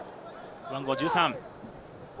背番号１３です。